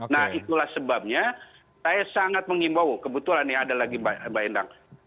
nah itulah sebabnya saya sangat mengimbau kebetulan nih ada lagi mbak endang